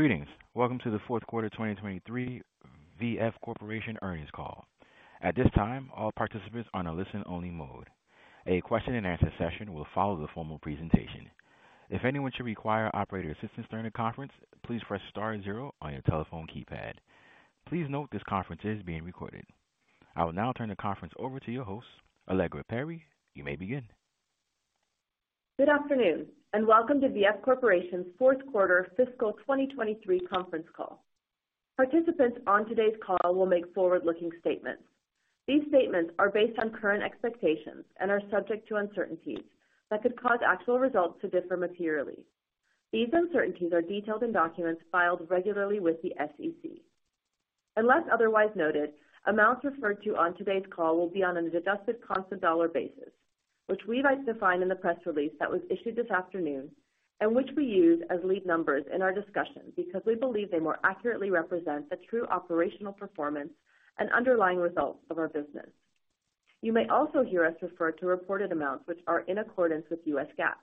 Greetings. Welcome to the Q4 2023 VF Corporation earnings call. At this time, all participants are on a listen-only mode. A question and answer session will follow the formal presentation. If anyone should require operator assistance during the conference, please press star 0 on your telephone keypad. Please note this conference is being recorded. I will now turn the conference over to your host, Allegra Perry. You may begin. Good afternoon welcome to VF Corporation's Q4 fiscal 2023 conference call. Participants on today's call will make forward-looking statements. These statements are based on current expectations and are subject to uncertainties that could cause actual results to differ materially. These uncertainties are detailed in documents filed regularly with the SEC. Unless otherwise noted, amounts referred to on today's call will be on an adjusted constant dollar basis, which we've identified in the press release that was issued this afternoon and which we use as lead numbers in our discussion because we believe they more accurately represent the true operational performance and underlying results of our business. You may also hear us refer to reported amounts which are in accordance with US GAAP.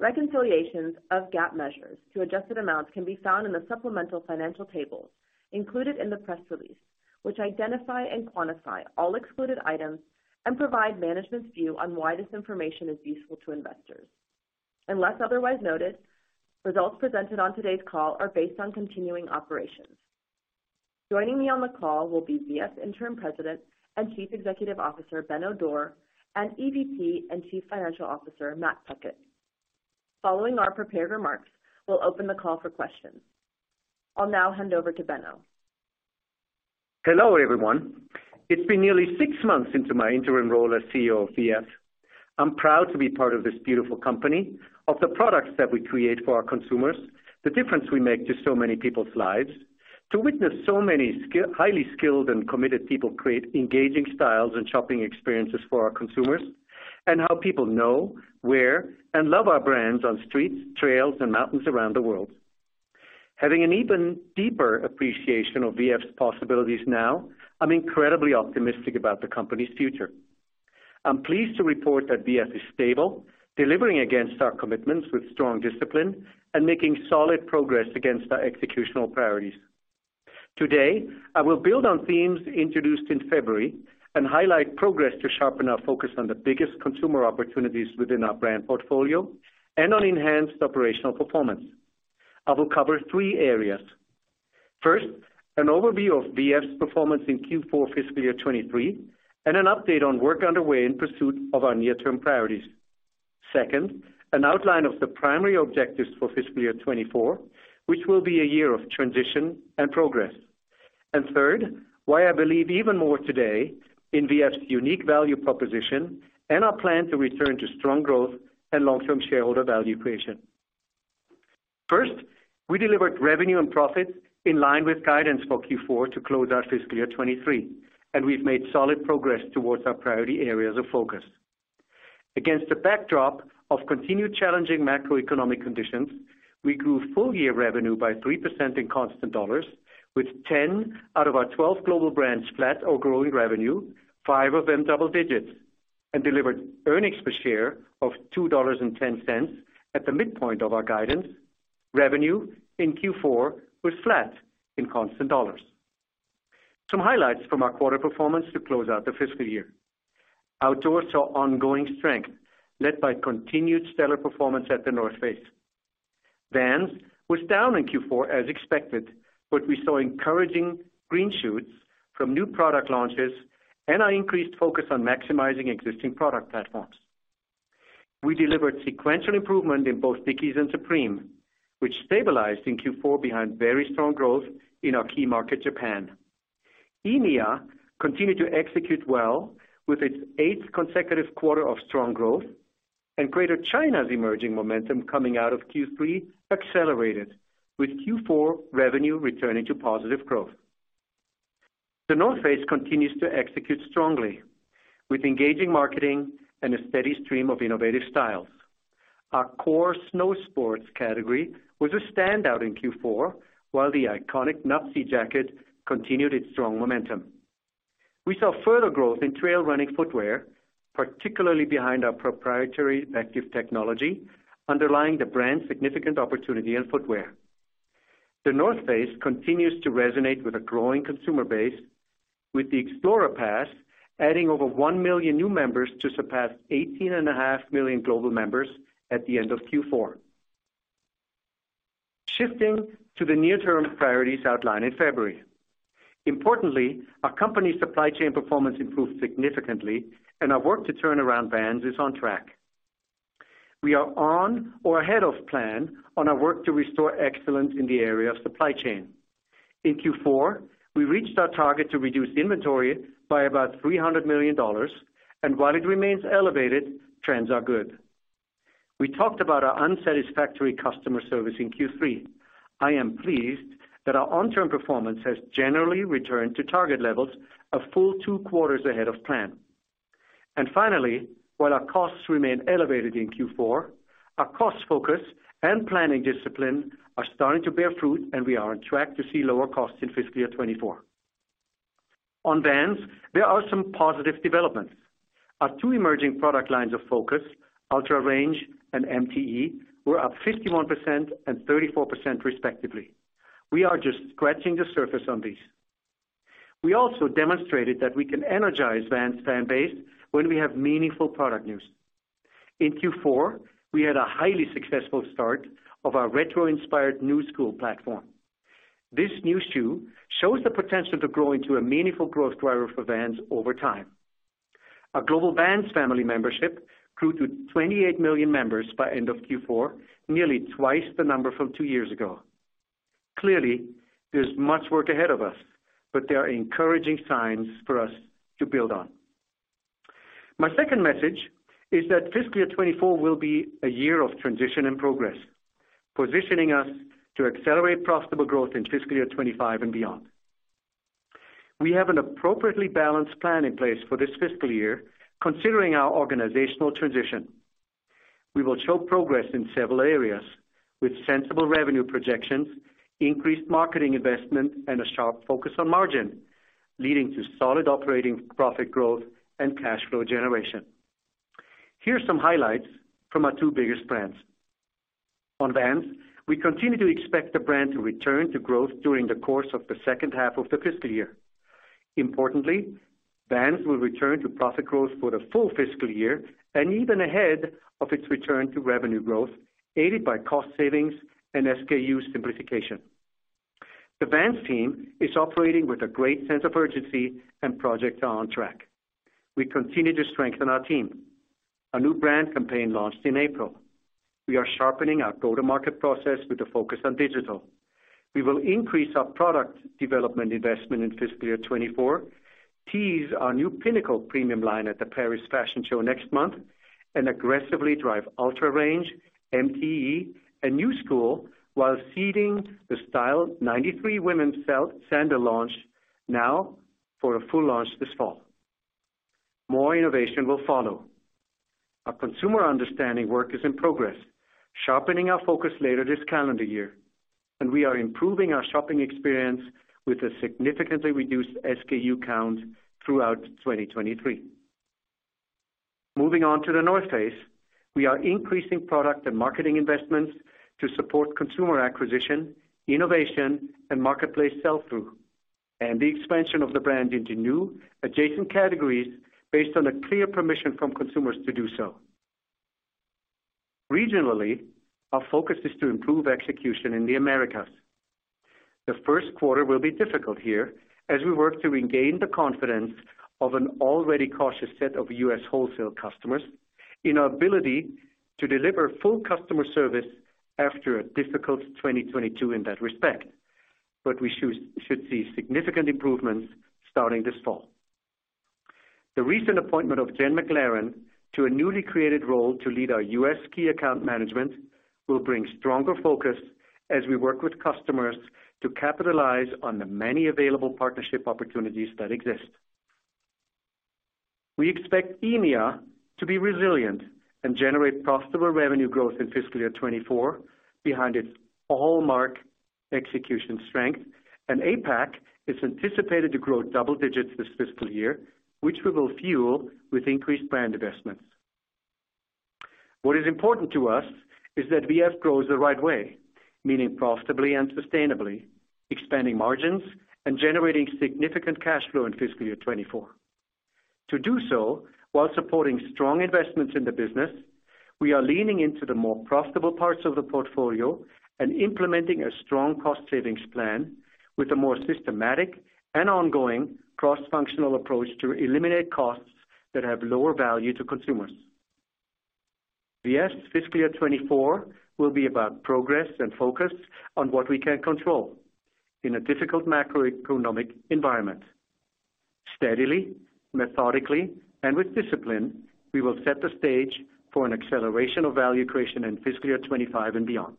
Reconciliations of GAAP measures to adjusted amounts can be found in the supplemental financial tables included in the press release, which identify and quantify all excluded items and provide management's view on why this information is useful to investors. Unless otherwise noted, results presented on today's call are based on continuing operations. Joining me on the call will be VF Interim President and Chief Executive Officer, Benno Dorer, and EVP and Chief Financial Officer, Matt Puckett. Following our prepared remarks, we'll open the call for questions. I'll now hand over to Benno. Hello, everyone. It's been nearly six months into my interim role as CEO of VF. I'm proud to be part of this beautiful company, of the products that we create for our consumers, the difference we make to so many people's lives, to witness so many highly skilled and committed people create engaging styles and shopping experiences for our consumers, and how people know, wear, and love our brands on streets, trails, and mountains around the world. Having an even deeper appreciation of VF's possibilities now, I'm incredibly optimistic about the company's future. I'm pleased to report that VF is stable, delivering against our commitments with strong discipline and making solid progress against our executional priorities. Today, I will build on themes introduced in February and highlight progress to sharpen our focus on the biggest consumer opportunities within our brand portfolio and on enhanced operational performance. I will cover three areas. First, an overview of VF's performance in Q4 fiscal year 2023 and an update on work underway in pursuit of our near-term priorities. Second, an outline of the primary objectives for fiscal year 2024, which will be a year of transition and progress. Third, why I believe even more today in VF's unique value proposition and our plan to return to strong growth and long-term shareholder value creation. First, we delivered revenue and profits in line with guidance for Q4 to close our fiscal year 2023, and we've made solid progress towards our priority areas of focus. Against the backdrop of continued challenging macroeconomic conditions, we grew full-year revenue by 3% in constant dollars, with 10 out of our 12 global brands flat or growing revenue, five of them double digits, and delivered earnings per share of $2.10 at the midpoint of our guidance. Revenue in Q4 was flat in constant dollars. Some highlights from our quarter performance to close out the fiscal year. Outdoor saw ongoing strength, led by continued stellar performance at The North Face. Vans was down in Q4 as expected, but we saw encouraging green shoots from new product launches and our increased focus on maximizing existing product platforms. We delivered sequential improvement in both Dickies and Supreme, which stabilized in Q4 behind very strong growth in our key market, Japan. EMEA continued to execute well with its 8th consecutive quarter of strong growth, and Greater China's emerging momentum coming out of Q3 accelerated with Q4 revenue returning to positive growth. The North Face continues to execute strongly with engaging marketing and a steady stream of innovative styles. Our core snow sports category was a standout in Q4, while the iconic Nuptse jacket continued its strong momentum. We saw further growth in trail running footwear, particularly behind our proprietary Active technology, underlying the brand's significant opportunity in footwear. The North Face continues to resonate with a growing consumer base, with the XPLR Pass adding over 1 million new members to surpass 18.5 million global members at the end of Q4. Shifting to the near-term priorities outlined in February. Importantly, our company's supply chain performance improved significantly, and our work to turn around Vans is on track. We are on or ahead of plan on our work to restore excellence in the area of supply chain. In Q4, we reached our target to reduce inventory by about $300 million. While it remains elevated, trends are good. We talked about our unsatisfactory customer service in Q3. I am pleased that our on-term performance has generally returned to target levels a full two quarters ahead of plan. Finally, while our costs remain elevated in Q4, our cost focus and planning discipline are starting to bear fruit, and we are on track to see lower costs in fiscal year 2024. On Vans, there are some positive developments. Our 2 emerging product lines of focus, UltraRange and MTE, were up 51% and 34% respectively. We are just scratching the surface on these. We also demonstrated that we can energize Vans fan base when we have meaningful product news. In Q4, we had a highly successful start of our retro-inspired Knu Skool platform. This new shoe shows the potential to grow into a meaningful growth driver for Vans over time. Our global Vans Family membership grew to 28 million members by end of Q4, nearly twice the number from 2 years ago. Clearly, there's much work ahead of us, but there are encouraging signs for us to build on. My second message is that fiscal year 2024 will be a year of transition and progress, positioning us to accelerate profitable growth in fiscal year 2025 and beyond. We have an appropriately balanced plan in place for this fiscal year considering our organizational transition. We will show progress in several areas with sensible revenue projections, increased marketing investment, and a sharp focus on margin, leading to solid operating profit growth and cash flow generation. Here's some highlights from our two biggest brands. On Vans, we continue to expect the brand to return to growth during the course of the second half of the fiscal year. Importantly, Vans will return to profit growth for the full fiscal year and even ahead of its return to revenue growth, aided by cost savings and SKU simplification. The Vans team is operating with a great sense of urgency and projects are on track. We continue to strengthen our team. A new brand campaign launched in April. We are sharpening our go-to-market process with a focus on digital. We will increase our product development investment in fiscal year 2024, tease our new pinnacle premium line at the Paris Fashion Show next month, and aggressively drive UltraRange, MTE, and Knu Skool, while seeding the Style 93 women's Zelle Sandal launch now for a full launch this fall. More innovation will follow. Our consumer understanding work is in progress, sharpening our focus later this calendar year, and we are improving our shopping experience with a significantly reduced SKU count throughout 2023. Moving on to The North Face, we are increasing product and marketing investments to support consumer acquisition, innovation, and marketplace sell-through, and the expansion of the brand into new adjacent categories based on a clear permission from consumers to do so. Regionally, our focus is to improve execution in the Americas. The Q1 will be difficult here as we work to regain the confidence of an already cautious set of U.S. wholesale customers in our ability to deliver full customer service after a difficult 2022 in that respect. We should see significant improvements starting this fall. The recent appointment of Jenn McLaren to a newly created role to lead our U.S. key account management will bring stronger focus as we work with customers to capitalize on the many available partnership opportunities that exist. We expect EMEA to be resilient and generate profitable revenue growth in fiscal year 2024 behind its hallmark execution strength. APAC is anticipated to grow double digits this fiscal year, which we will fuel with increased brand investments. What is important to us is that VF grows the right way, meaning profitably and sustainably, expanding margins and generating significant cash flow in fiscal year 2024. To do so, while supporting strong investments in the business, we are leaning into the more profitable parts of the portfolio and implementing a strong cost savings plan with a more systematic and ongoing cross-functional approach to eliminate costs that have lower value to consumers. VF's fiscal year 2024 will be about progress and focus on what we can control in a difficult macroeconomic environment. Steadily, methodically, and with discipline, we will set the stage for an acceleration of value creation in fiscal year 2025 and beyond.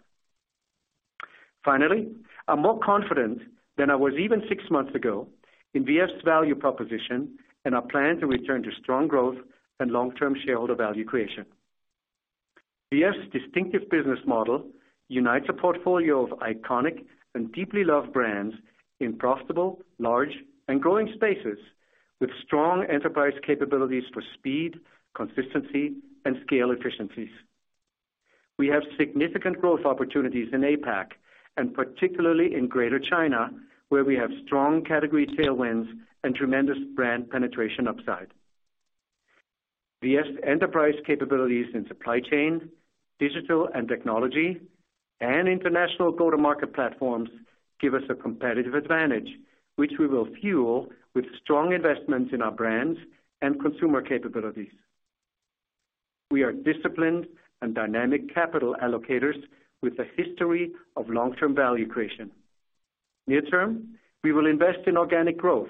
Finally, I'm more confident than I was even six months ago in VF's value proposition and our plan to return to strong growth and long-term shareholder value creation. VF's distinctive business model unites a portfolio of iconic and deeply loved brands in profitable, large and growing spaces with strong enterprise capabilities for speed, consistency, and scale efficiencies. We have significant growth opportunities in APAC, and particularly in Greater China, where we have strong category tailwinds and tremendous brand penetration upside. VF's enterprise capabilities in supply chain, digital and technology, and international go-to-market platforms give us a competitive advantage, which we will fuel with strong investments in our brands and consumer capabilities. We are disciplined and dynamic capital allocators with a history of long-term value creation. Near term, we will invest in organic growth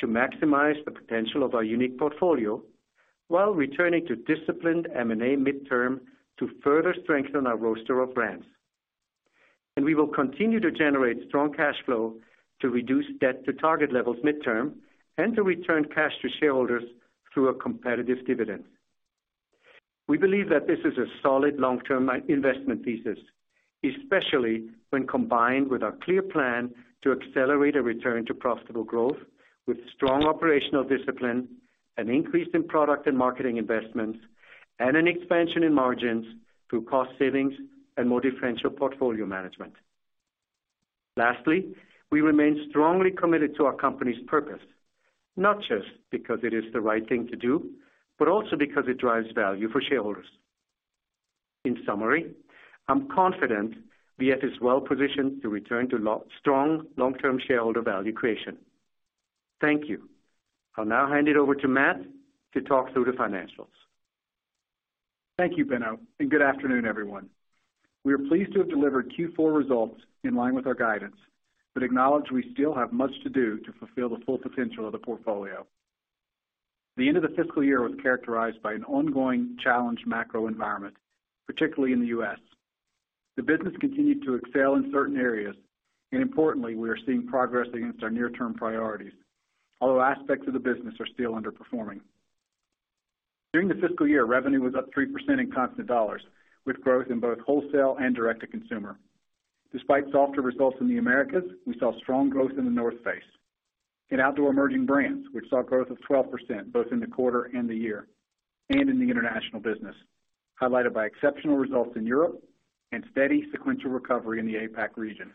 to maximize the potential of our unique portfolio while returning to disciplined M&A midterm to further strengthen our roster of brands. We will continue to generate strong cash flow to reduce debt to target levels midterm and to return cash to shareholders through a competitive dividend. We believe that this is a solid long-term investment thesis, especially when combined with our clear plan to accelerate a return to profitable growth with strong operational discipline, an increase in product and marketing investments, and an expansion in margins through cost savings and more differential portfolio management. Lastly, we remain strongly committed to our company's purpose, not just because it is the right thing to do, but also because it drives value for shareholders. In summary, I'm confident VF is well positioned to return to strong, long-term shareholder value creation. Thank you. I'll now hand it over to Matt to talk through the financials. Thank you, Benno, and good afternoon, everyone. We are pleased to have delivered Q4 results in line with our guidance, but acknowledge we still have much to do to fulfill the full potential of the portfolio. The end of the fiscal year was characterized by an ongoing challenged macro environment, particularly in the U.S. The business continued to excel in certain areas, and importantly, we are seeing progress against our near-term priorities, although aspects of the business are still underperforming. During the fiscal year, revenue was up 3% in constant dollars, with growth in both wholesale and direct-to-consumer. Despite softer results in the Americas, we saw strong growth in The North Face. In Outdoor Emerging Brands, which saw growth of 12% both in the quarter and the year, and in the international business, highlighted by exceptional results in Europe and steady sequential recovery in the APAC region.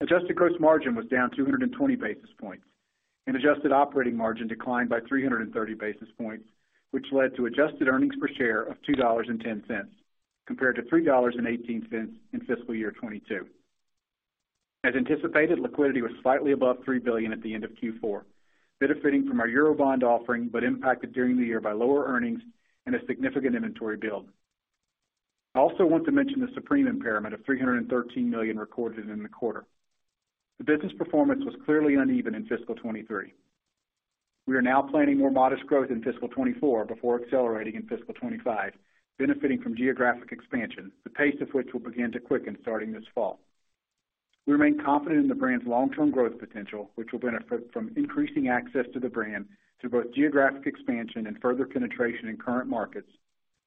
Adjusted gross margin was down 220 basis points, adjusted operating margin declined by 330 basis points, which led to adjusted earnings per share of $2.10 compared to $3.18 in fiscal year 2022. As anticipated, liquidity was slightly above $3 billion at the end of Q4, benefiting from our Eurobond offering, but impacted during the year by lower earnings and a significant inventory build. I also want to mention the Supreme impairment of $313 million recorded in the quarter. The business performance was clearly uneven in fiscal 2023. We are now planning more modest growth in fiscal 2024 before accelerating in fiscal 2025, benefiting from geographic expansion, the pace of which will begin to quicken starting this fall. We remain confident in the brand's long-term growth potential, which will benefit from increasing access to the brand through both geographic expansion and further penetration in current markets,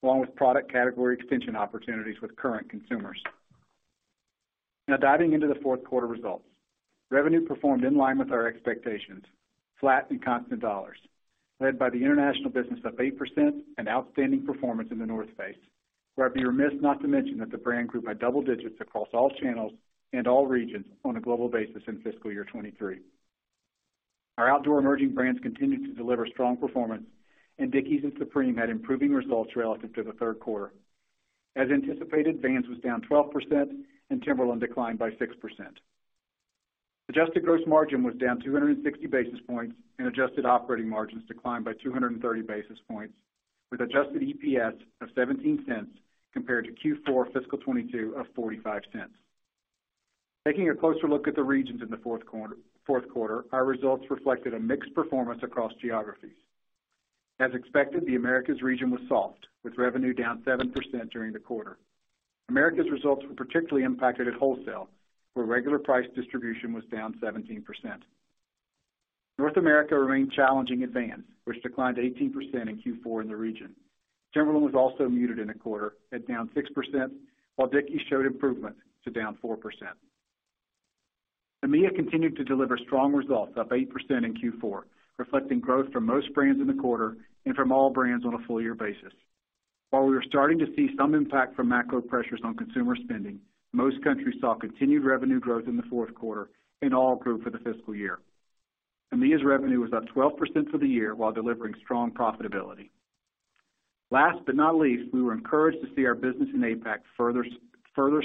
along with product category extension opportunities with current consumers. Diving into the Q4 results. Revenue performed in line with our expectations, flat in constant dollars, led by the international business up 8% and outstanding performance in The North Face, where I'd be remiss not to mention that the brand grew by double digits across all channels and all regions on a global basis in fiscal year 23. Outdoor Emerging Brands continued to deliver strong performance, Dickies and Supreme had improving results relative to the Q3. As anticipated, Vans was down 12% and Timberland declined by 6%. Adjusted gross margin was down 260 basis points and adjusted operating margins declined by 230 basis points with adjusted EPS of $0.17 compared to Q4 fiscal 2022 of $0.45. Taking a closer look at the regions in the Q4, our results reflected a mixed performance across geographies. As expected, the Americas region was soft, with revenue down 7% during the quarter. Americas results were particularly impacted at wholesale, where regular price distribution was down 17%. North America remained challenging at Vans, which declined 18% in Q4 in the region. Timberland was also muted in the quarter at down 6%, while Dickies showed improvement to down 4%. EMEA continued to deliver strong results, up 8% in Q4, reflecting growth from most brands in the quarter and from all brands on a full year basis. While we are starting to see some impact from macro pressures on consumer spending, most countries saw continued revenue growth in the Q4 and all grew for the fiscal year. EMEA's revenue was up 12% for the year while delivering strong profitability. Last but not least, we were encouraged to see our business in APAC further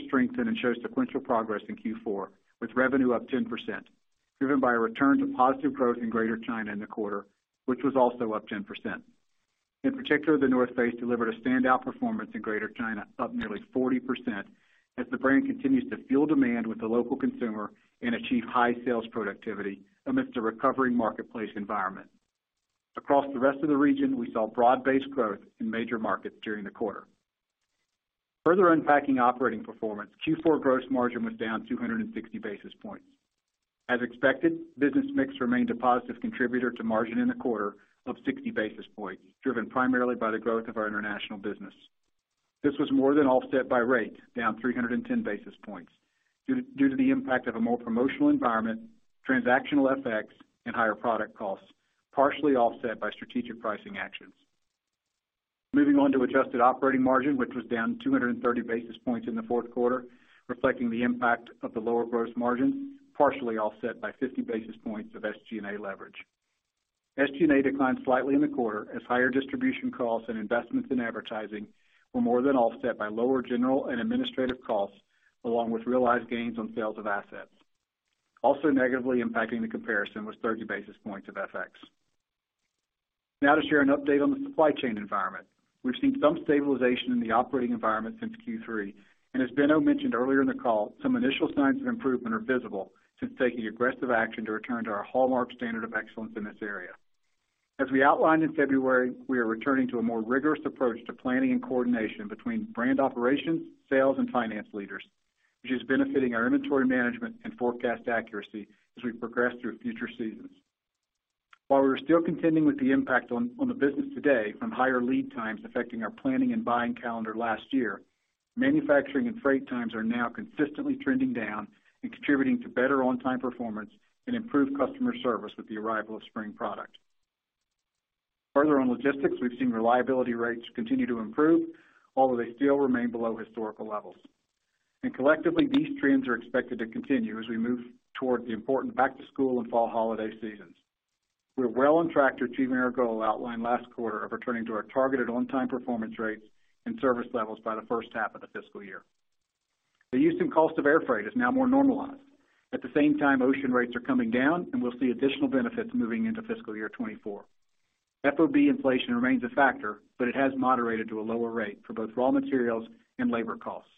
strengthen and show sequential progress in Q4, with revenue up 10%, driven by a return to positive growth in Greater China in the quarter, which was also up 10%. In particular, The North Face delivered a standout performance in Greater China, up nearly 40% as the brand continues to fuel demand with the local consumer and achieve high sales productivity amidst a recovering marketplace environment. Across the rest of the region, we saw broad-based growth in major markets during the quarter. Further unpacking operating performance, Q4 gross margin was down 260 basis points. As expected, business mix remained a positive contributor to margin in the quarter of 60 basis points, driven primarily by the growth of our international business. This was more than offset by rate, down 310 basis points due to the impact of a more promotional environment, transactional FX, and higher product costs, partially offset by strategic pricing actions. Moving on to adjusted operating margin, which was down 230 basis points in the Q4, reflecting the impact of the lower gross margin, partially offset by 50 basis points of SG&A leverage. SG&A declined slightly in the quarter as higher distribution costs and investments in advertising were more than offset by lower general and administrative costs, along with realized gains on sales of assets. Negatively impacting the comparison was 30 basis points of FX. To share an update on the supply chain environment. We've seen some stabilization in the operating environment since Q3. As Benno mentioned earlier in the call, some initial signs of improvement are visible since taking aggressive action to return to our hallmark standard of excellence in this area. As we outlined in February, we are returning to a more rigorous approach to planning and coordination between brand operations, sales, and finance leaders, which is benefiting our inventory management and forecast accuracy as we progress through future seasons. While we're still contending with the impact on the business today from higher lead times affecting our planning and buying calendar last year, manufacturing and freight times are now consistently trending down and contributing to better on-time performance and improved customer service with the arrival of spring product. Further on logistics, we've seen reliability rates continue to improve, although they still remain below historical levels. Collectively, these trends are expected to continue as we move toward the important back-to-school and fall holiday seasons. We're well on track to achieving our goal outlined last quarter of returning to our targeted on-time performance rates and service levels by the first half of the fiscal year. The use and cost of air freight is now more normalized. At the same time, ocean rates are coming down, and we'll see additional benefits moving into fiscal year 2024. FOB inflation remains a factor, but it has moderated to a lower rate for both raw materials and labor costs.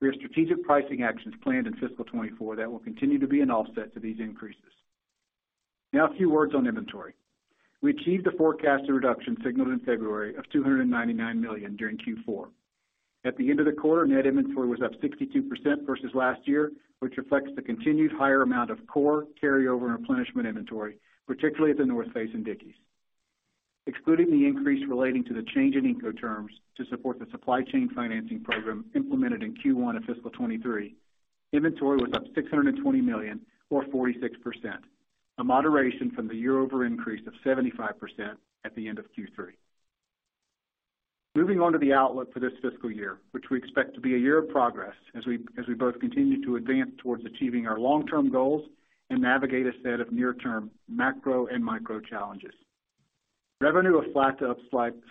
We have strategic pricing actions planned in fiscal 2024 that will continue to be an offset to these increases. Now a few words on inventory. We achieved the forecasted reduction signaled in February of $299 million during Q4. At the end of the quarter, net inventory was up 62% versus last year, which reflects the continued higher amount of core carryover and replenishment inventory, particularly at The North Face and Dickies. Excluding the increase relating to the change in Incoterms to support the supply chain financing program implemented in Q1 of fiscal 2023, inventory was up $620 million or 46%, a moderation from the year-over increase of 75% at the end of Q3. Moving on to the outlook for this fiscal year, which we expect to be a year of progress as we both continue to advance towards achieving our long-term goals and navigate a set of near-term macro and micro challenges. Revenue of flat to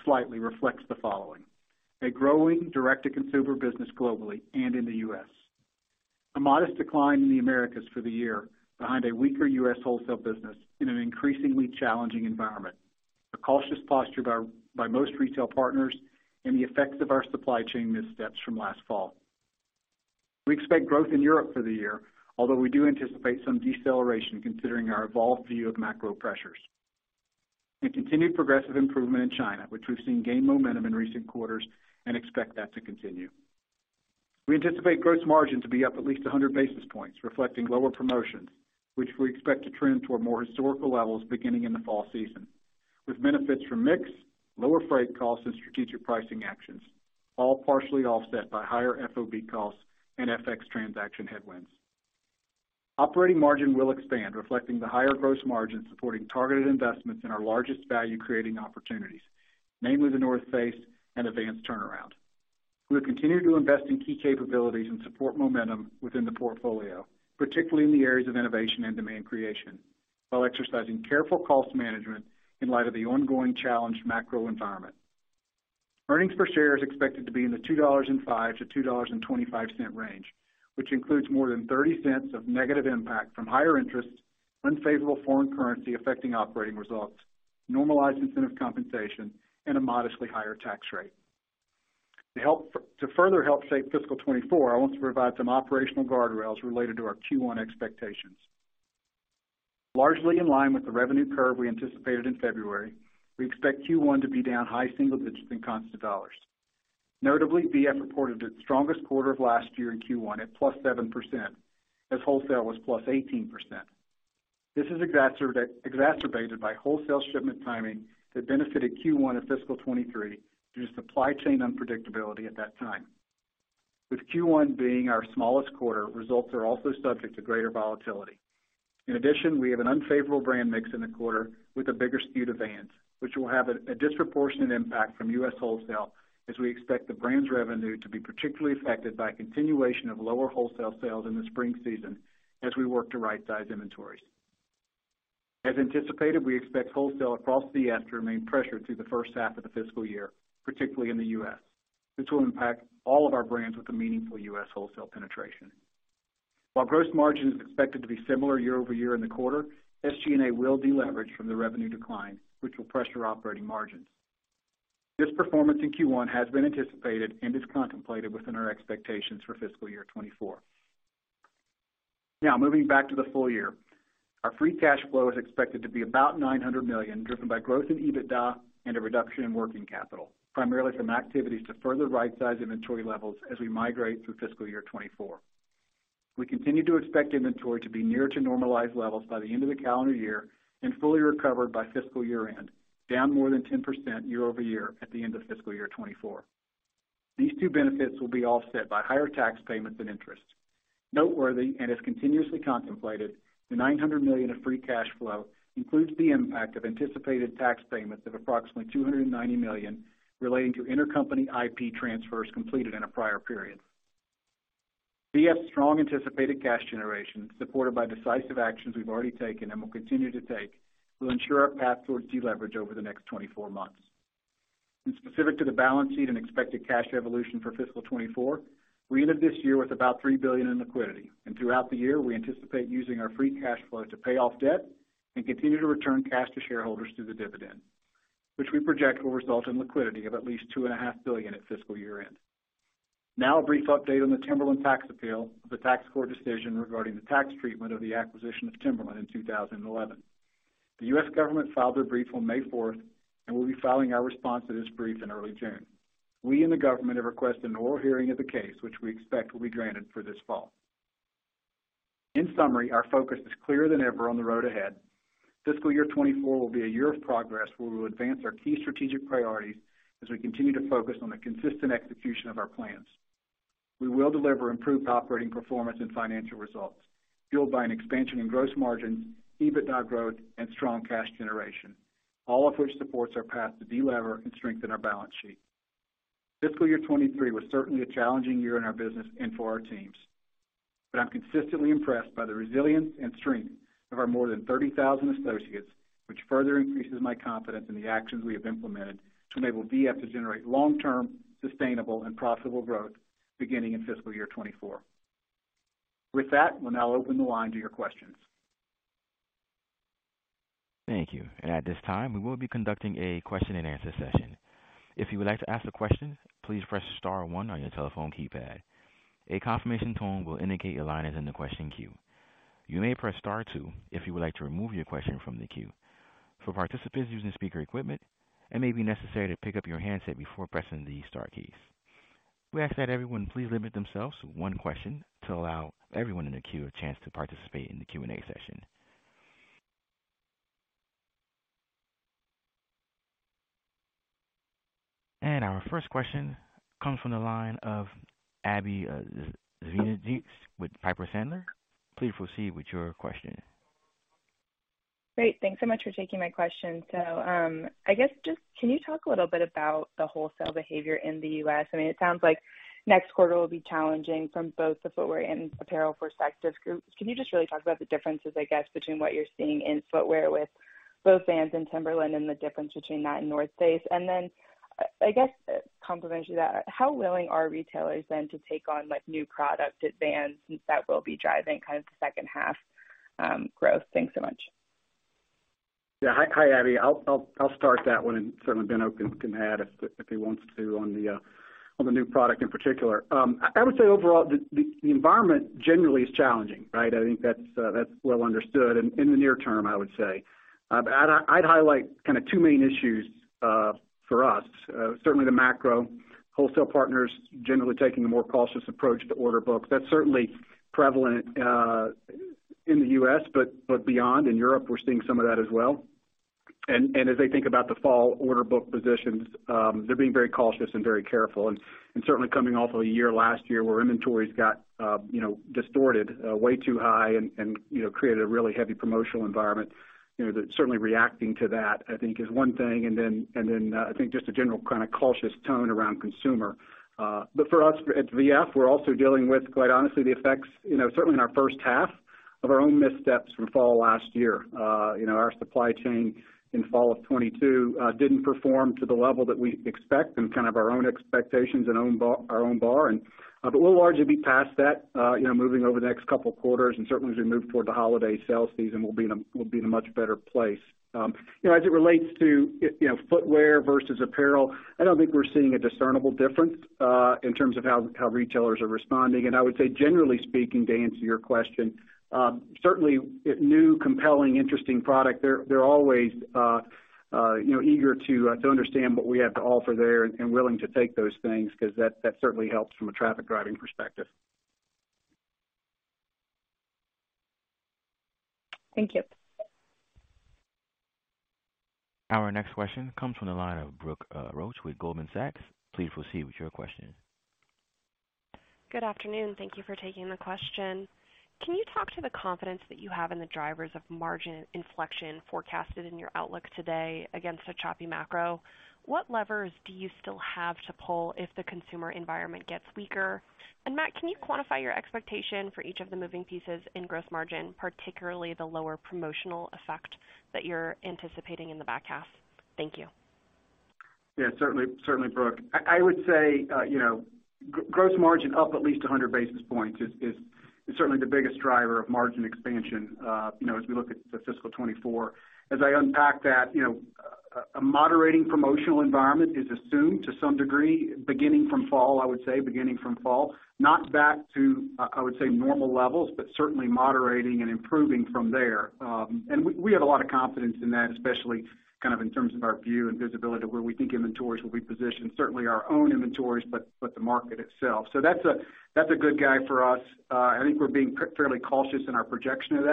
slightly reflects the following. A growing direct-to-consumer business globally and in the U.S. A modest decline in the Americas for the year behind a weaker U.S. wholesale business in an increasingly challenging environment. A cautious posture by most retail partners and the effects of our supply chain missteps from last fall. We expect growth in Europe for the year, although we do anticipate some deceleration considering our evolved view of macro pressures. Continued progressive improvement in China, which we've seen gain momentum in recent quarters and expect that to continue. We anticipate gross margin to be up at least 100 basis points, reflecting lower promotions, which we expect to trend toward more historical levels beginning in the fall season, with benefits from mix, lower freight costs and strategic pricing actions, all partially offset by higher FOB costs and FX transaction headwinds. Operating margin will expand, reflecting the higher gross margin, supporting targeted investments in our largest value-creating opportunities, namely The North Face and advanced turnaround. We'll continue to invest in key capabilities and support momentum within the portfolio, particularly in the areas of innovation and demand creation, while exercising careful cost management in light of the ongoing challenged macro environment. Earnings per share is expected to be in the $2.05 to 2.25 range, which includes more than $0.30 of negative impact from higher interest, unfavorable foreign currency affecting operating results, normalized incentive compensation, and a modestly higher tax rate. To further help shape fiscal 2024, I want to provide some operational guardrails related to our Q1 expectations. Largely in line with the revenue curve we anticipated in February, we expect Q1 to be down high single digits in constant dollars. Notably, VF reported its strongest quarter of last year in Q1 at +7%, as wholesale was +18%. This is exacerbated by wholesale shipment timing that benefited Q1 of fiscal 2023 due to supply chain unpredictability at that time. With Q1 being our smallest quarter, results are also subject to greater volatility. In addition, we have an unfavorable brand mix in the quarter with a bigger skew to Vans, which will have a disproportionate impact from U.S. wholesale as we expect the brand's revenue to be particularly affected by continuation of lower wholesale sales in the spring season as we work to right-size inventories. As anticipated, we expect wholesale across VF to remain pressured through the first half of the fiscal year, particularly in the U.S. This will impact all of our brands with a meaningful U.S. wholesale penetration. While gross margin is expected to be similar year-over-year in the quarter, SG&A will deleverage from the revenue decline, which will pressure operating margins. This performance in Q1 has been anticipated and is contemplated within our expectations for fiscal year 2024. Moving back to the full year. Our free cash flow is expected to be about $900 million, driven by growth in EBITDA and a reduction in working capital, primarily from activities to further right-size inventory levels as we migrate through fiscal year 2024. We continue to expect inventory to be near to normalized levels by the end of the calendar year and fully recovered by fiscal year-end, down more than 10% year-over-year at the end of fiscal year 2024. These two benefits will be offset by higher tax payments and interest. Noteworthy and as continuously contemplated, the $900 million of free cash flow includes the impact of anticipated tax payments of approximately $290 million relating to intercompany IP transfers completed in a prior period. VF's strong anticipated cash generation, supported by decisive actions we've already taken and will continue to take, will ensure our path towards deleverage over the next 24 months. Specific to the balance sheet and expected cash evolution for fiscal 2024, we ended this year with about $3 billion in liquidity. Throughout the year, we anticipate using our free cash flow to pay off debt and continue to return cash to shareholders through the dividend, which we project will result in liquidity of at least $2.5 billion at fiscal year-end. A brief update on the Timberland tax appeal of the tax court decision regarding the tax treatment of the acquisition of Timberland in 2011. The U.S. government filed their brief on May 4, we'll be filing our response to this brief in early June. We and the government have requested an oral hearing of the case, which we expect will be granted for this fall. In summary, our focus is clearer than ever on the road ahead. Fiscal year 2024 will be a year of progress where we'll advance our key strategic priorities as we continue to focus on the consistent execution of our plans. We will deliver improved operating performance and financial results fueled by an expansion in gross margins, EBITDA growth and strong cash generation, all of which supports our path to delever and strengthen our balance sheet. Fiscal year 2023 was certainly a challenging year in our business and for our teams. I'm consistently impressed by the resilience and strength of our more than 30,000 associates, which further increases my confidence in the actions we have implemented to enable VF to generate long-term sustainable and profitable growth beginning in fiscal year 2024. With that, we'll now open the line to your questions. Thank you. At this time, we will be conducting a question-and-answer session. If you would like to ask a question, please press star one on your telephone keypad. A confirmation tone will indicate your line is in the question queue. You may press star two if you would like to remove your question from the queue. For participants using speaker equipment, it may be necessary to pick up your handset before pressing the star keys. We ask that everyone please limit themselves to one question to allow everyone in the queue a chance to participate in the Q&A session. Our first question comes from the line of Abbie Zvejnieks with Piper Sandler. Please proceed with your question. Great. Thanks so much for taking my question. I guess just can you talk a little bit about the wholesale behavior in the U.S.? I mean, it sounds like next quarter will be challenging from both the footwear and apparel perspective groups. Can you just really talk about the differences, I guess, between what you're seeing in footwear with both Vans and Timberland and the difference between that and The North Face? I guess, complimentary to that, how willing are retailers then to take on, like, new product at Vans that will be driving kind of the second half growth? Thanks so much. Yeah. Hi, Abby. I'll start that one. Certainly Benno can add if he wants to on the new product in particular. I would say overall the environment generally is challenging, right? I think that's well understood in the near term, I would say. I'd highlight kind of two main issues for us. Certainly the macro wholesale partners generally taking a more cautious approach to order books. That's certainly prevalent in the U.S., but beyond. In Europe, we're seeing some of that as well. As they think about the fall order book positions, they're being very cautious and very careful. Certainly coming off of a year last year where inventories got, you know, distorted, way too high and, you know, created a really heavy promotional environment. You know, they're certainly reacting to that, I think is one thing. I think just a general kind of cautious tone around consumer. For us at VF, we're also dealing with, quite honestly, the effects, you know, certainly in our first half of our own missteps from fall last year. You know, our supply chain in fall of 22 didn't perform to the level that we expect and kind of our own expectations and our own bar. But we'll largely be past that, you know, moving over the next two quarters, and certainly as we move toward the holiday sales season, we'll be in a much better place. You know, as it relates to, you know, footwear versus apparel, I don't think we're seeing a discernible difference in terms of how retailers are responding. I would say, generally speaking, to answer your question, certainly new, compelling, interesting product, they're always, you know, eager to understand what we have to offer there and willing to take those things 'cause that certainly helps from a traffic driving perspective. Thank you. Our next question comes from the line of Brooke Roach with Goldman Sachs. Please proceed with your question. Good afternoon. Thank you for taking the question. Can you talk to the confidence that you have in the drivers of margin inflection forecasted in your outlook today against a choppy macro? What levers do you still have to pull if the consumer environment gets weaker? Matt, can you quantify your expectation for each of the moving pieces in gross margin, particularly the lower promotional effect that you're anticipating in the back half? Thank you. Yeah, certainly, Brooke. I would say, you know, gross margin up at least 100 basis points is certainly the biggest driver of margin expansion, you know, as we look at fiscal 2024. I unpack that, you know, a moderating promotional environment is assumed to some degree beginning from fall, I would say. Not back to, I would say normal levels, certainly moderating and improving from there. We have a lot of confidence in that, especially kind of in terms of our view and visibility where we think inventories will be pos itioned, certainly our own inventories, but the market itself. That's a good guy for us. I think we're being fairly cautious in our projection of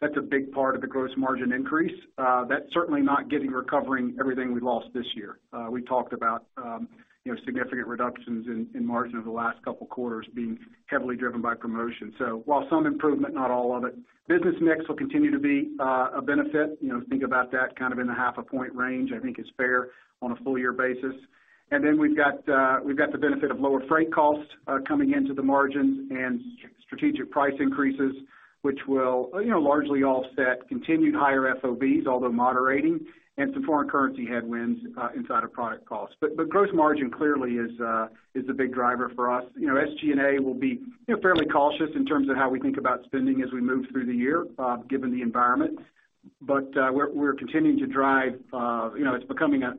that's a big part of the gross margin increase. That's certainly not getting recovering everything we lost this year. We talked about, you know, significant reductions in margin over the last couple quarters being heavily driven by promotion. While some improvement, not all of it. Business mix will continue to be a benefit. You know, think about that kind of in the half a point range, I think is fair on a full year basis. We've got the benefit of lower freight costs coming into the margins and strategic price increases, which will, you know, largely offset continued higher FOVs, although moderating, and some foreign currency headwinds inside of product costs. Gross margin clearly is a big driver for us. You know, SG&A will be, you know, fairly cautious in terms of how we think about spending as we move through the year, given the environment. We're continuing to drive, you know, it's becoming a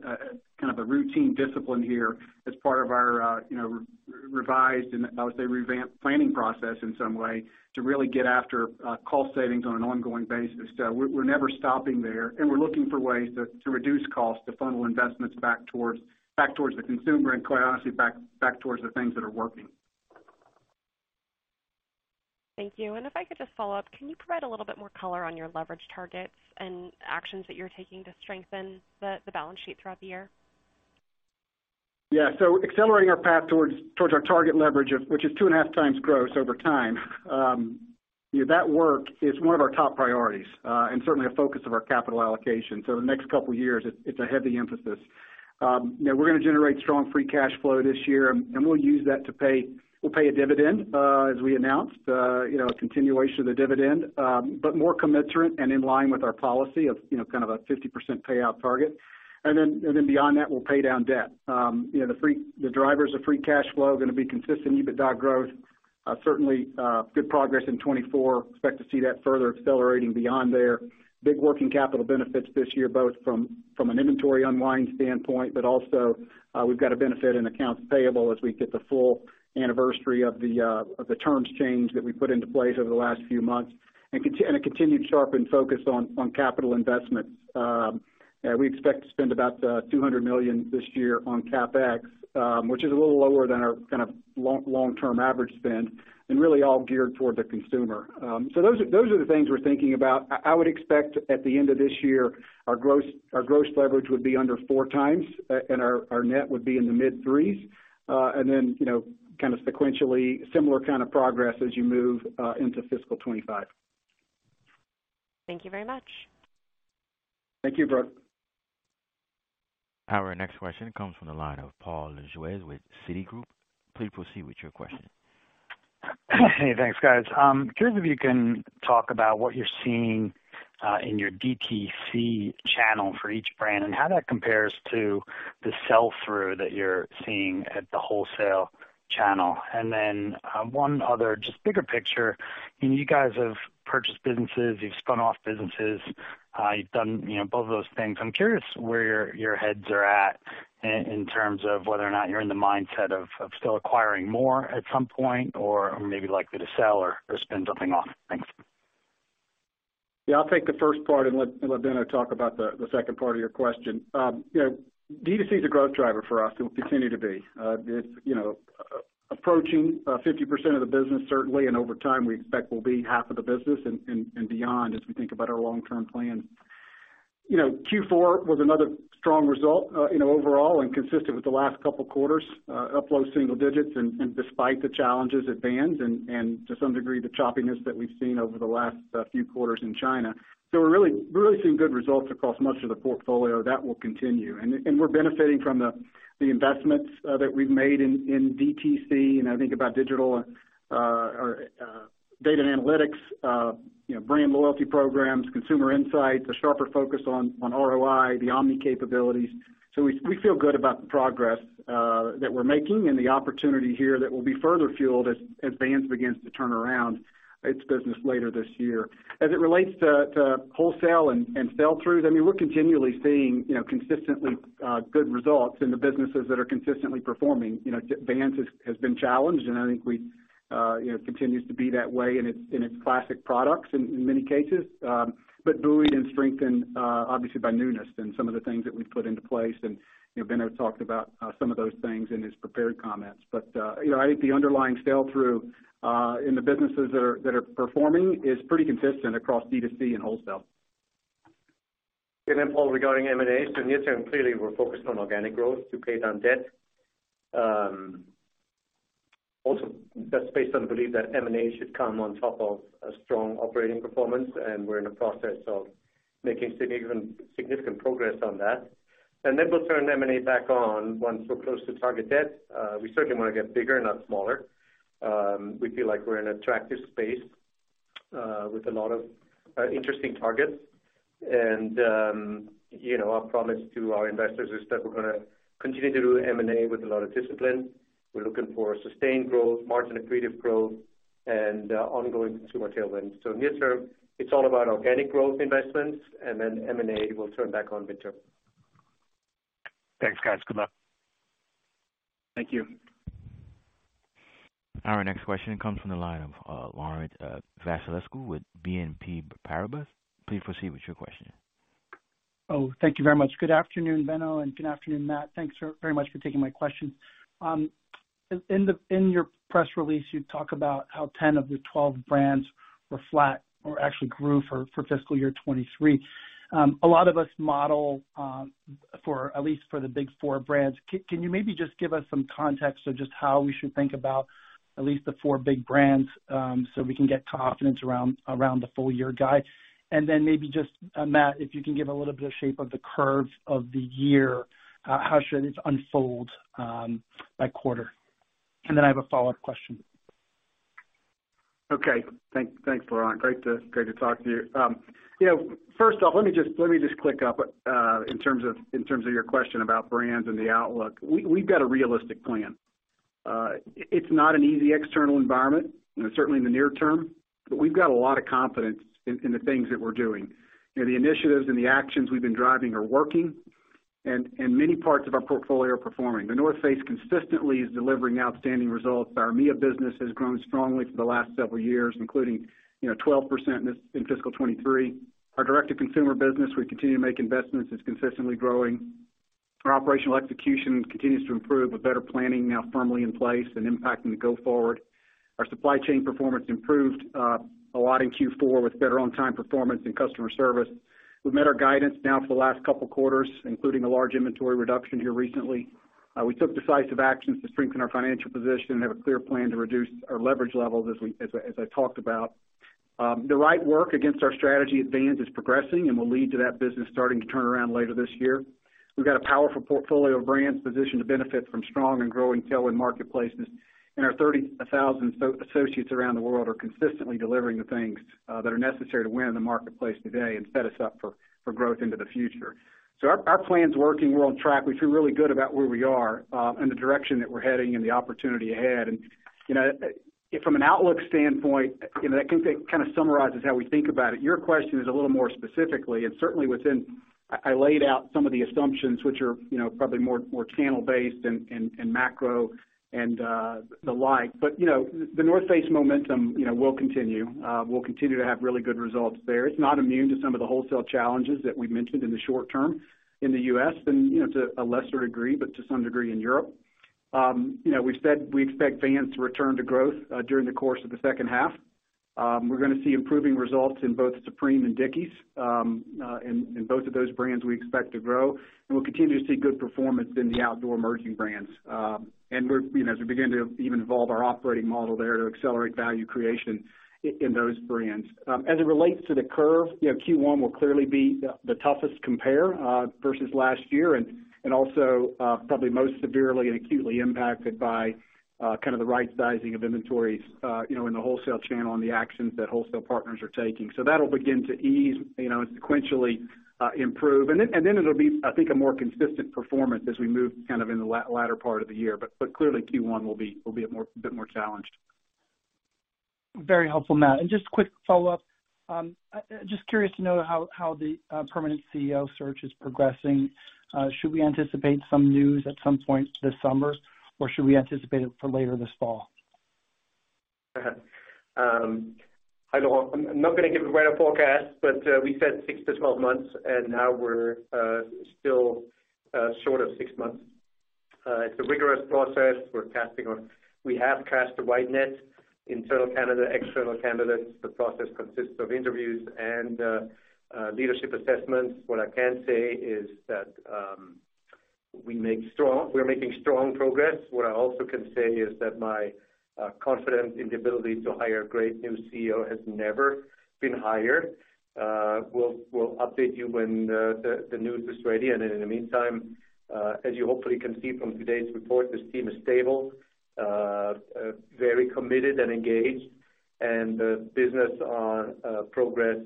kind of a routine discipline here as part of our, you know, revised and I would say revamped planning process in some way to really get after, cost savings on an ongoing basis. We're never stopping there, and we're looking for ways to reduce costs, to funnel investments back towards the consumer and quite honestly, back towards the things that are working. Thank you. If I could just follow up, can you provide a little bit more color on your leverage targets and actions that you're taking to strengthen the balance sheet throughout the year? Yeah. Accelerating our path towards our target leverage, which is two and a half times gross over time. That work is one of our top priorities and certainly a focus of our capital allocation. The next couple of years, it's a heavy emphasis. We're gonna generate strong free cash flow this year, and we'll use that. We'll pay a dividend as we announced, you know, a continuation of the dividend, but more commensurate and in line with our policy of, you know, kind of a 50% payout target. Beyond that, we'll pay down debt. You know, the drivers of free cash flow are gonna be consistent EBITDA growth. Certainly, good progress in 2024. Expect to see that further accelerating beyond there. Big working capital benefits this year, both from an inventory unwind standpoint. Also, we've got a benefit in accounts payable as we get the full anniversary of the terms change that we put into place over the last few months and a continued sharpened focus on capital investment. We expect to spend about $200 million this year on CapEx, which is a little lower than our kind of long-term average spend and really all geared toward the consumer. Those are the things we're thinking about. I would expect at the end of this year, our gross leverage would be under 4x and our net would be in the mid-3s, and then, you know, kind of sequentially similar kind of progress as you move into fiscal 2025. Thank you very much. Thank you, Brooke. Our next question comes from the line of Paul Lejuez with Citigroup. Please proceed with your question. Hey, thanks, guys. Curious if you can talk about what you're seeing in your DTC channel for each brand and how that compares to the sell-through that you're seeing at the wholesale channel. One other just bigger picture. You guys have purchased businesses, you've spun off businesses, you've done, you know, both of those things. I'm curious where your heads are at in terms of whether or not you're in the mindset of still acquiring more at some point or maybe likely to sell or spin something off. Thanks. Yeah. I'll take the first part and let Benno talk about the second part of your question. You know, DTC is a growth driver for us. It will continue to be. It's, you know, approaching 50% of the business certainly, and over time we expect will be half of the business and beyond as we think about our long-term plan. You know, Q4 was another strong result, you know, overall and consistent with the last couple quarters, upload single digits and despite the challenges at Vans and to some degree, the choppiness that we've seen over the last few quarters in China. We're really seeing good results across much of the portfolio. That will continue. And we're benefiting from the investments that we've made in DTC. You know, think about digital, or data and analytics, you know, brand loyalty programs, consumer insights, a sharper focus on ROI, the omni capabilities. We feel good about the progress that we're making and the opportunity here that will be further fueled as Vans begins to turn around its business later this year. As it relates to wholesale and sell-throughs, I mean, we're continually seeing, you know, consistently good results in the businesses that are consistently performing. You know, Vans has been challenged, and I think we, you know, continues to be that way in its classic products in many cases, but buoyed and strengthened, obviously by newness and some of the things that we've put into place. You know, Benno talked about some of those things in his prepared comments. You know, I think the underlying sell-through in the businesses that are, that are performing is pretty consistent across DTC and wholesale. Yeah. Paul, regarding M&A. Near-term, clearly we're focused on organic growth to pay down debt. Also that's based on the belief that M&A should come on top of a strong operating performance, and we're in the process of making significant progress on that. We'll turn M&A back on once we're close to target debt. We certainly want to get bigger, not smaller. We feel like we're in an attractive space, with a lot of interesting targets. You know, our promise to our investors is that we're gonna continue to do M&A with a lot of discipline. We're looking for sustained growth, margin accretive growth and ongoing consumer tailwind. Near term, it's all about organic growth investments and then M&A will turn back on mid-term. Thanks, guys. Good luck. Thank you. Our next question comes from the line of Laurent Vasilescu with BNP Paribas. Please proceed with your question. Thank you very much. Good afternoon, Benno, and good afternoon, Matt. Thanks so very much for taking my questions. In your press release, you talk about how 10 of the 12 brands were flat or actually grew for fiscal year 2023. A lot of us model for at least for the big 4 brands. Can you maybe just give us some context of just how we should think about at least the 4 big brands, so we can get confidence around the full year guide? Maybe just, Matt, if you can give a little bit of shape of the curve of the year, how should it unfold by quarter? I have a follow-up question. Thanks, Laurent. Great to talk to you. You know, first off, let me just click up in terms of your question about brands and the outlook. We've got a realistic plan. It's not an easy external environment, and certainly in the near term, but we've got a lot of confidence in the things that we're doing. You know, the initiatives and the actions we've been driving are working and many parts of our portfolio are performing. The North Face consistently is delivering outstanding results. Our EMEA business has grown strongly for the last several years, including, you know, 12% in fiscal 2023. Our direct-to-consumer business, we continue to make investments, is consistently growing. Our operational execution continues to improve with better planning now firmly in place and impacting the go forward. Our supply chain performance improved a lot in Q4 with better on-time performance and customer service. We've met our guidance now for the last couple of quarters, including a large inventory reduction here recently. We took decisive actions to strengthen our financial position and have a clear plan to reduce our leverage levels as I talked about. The right work against our strategy at Vans is progressing and will lead to that business starting to turn around later this year. We've got a powerful portfolio of brands positioned to benefit from strong and growing tailwind marketplaces. Our 30,000 associates around the world are consistently delivering the things that are necessary to win in the marketplace today and set us up for growth into the future. Our plan is working. We're on track. We feel really good about where we are and the direction that we're heading and the opportunity ahead. You know, from an outlook standpoint, you know, that kind of summarizes how we think about it. Your question is a little more specifically and certainly within... I laid out some of the assumptions which are, you know, probably more, more channel-based and macro and the like. You know, The North Face momentum, you know, will continue. We'll continue to have really good results there. It's not immune to some of the wholesale challenges that we've mentioned in the short term in the U.S. and, you know, to a lesser degree, but to some degree in Europe. You know, we said we expect Vans to return to growth during the course of the second half. We're going to see improving results in both Supreme and Dickies. In both of those brands, we expect to grow. We'll continue to see good performance in the Outdoor Emerging Brands. We're, you know, as we begin to even evolve our operating model there to accelerate value creation in those brands. As it relates to the curve, you know, Q1 will clearly be the toughest compare, versus last year, and also, probably most severely and acutely impacted by, kind of the right sizing of inventories, you know, in the wholesale channel and the actions that wholesale partners are taking. That'll begin to ease, you know, and sequentially, improve. Then, it'll be, I think, a more consistent performance as we move kind of in the latter part of the year. Clearly, Q1 will be a bit more challenged. Very helpful, Matt. Just quick follow-up. Just curious to know how the permanent CEO search is progressing. Should we anticipate some news at some point this summer, or should we anticipate it for later this fall? I'm not gonna give a wider forecast, but we said 6-12 months, and now we're still short of 6 months. It's a rigorous process we're casting on. We have cast a wide net, internal candidate, external candidates. The process consists of interviews and leadership assessments. What I can say is that we're making strong progress. What I also can say is that my confidence in the ability to hire a great new CEO has never been higher. We'll update you when the news is ready. In the meantime, as you hopefully can see from today's report, this team is stable, very committed and engaged, and the business progress